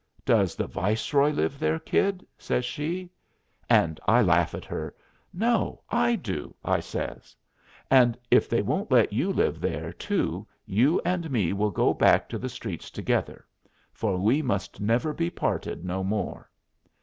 Does the Viceroy live there, Kid?" says she. And I laugh at her. "No; I do," I says. "And if they won't let you live there, too, you and me will go back to the streets together, for we must never be parted no more."